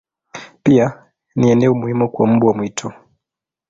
Pia ni eneo muhimu kwa mbwa mwitu.